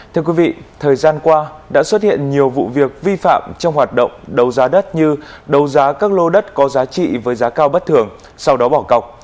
thưa quý vị thời gian qua đã xuất hiện nhiều vụ việc vi phạm trong hoạt động đấu giá đất như đấu giá các lô đất có giá trị với giá cao bất thường sau đó bỏ cọc